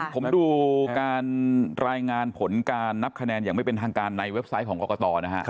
ผมดูการรายงานผลการนับคะแนนอย่างไม่เป็นทางการในเว็บไซต์ของกรกตนะฮะ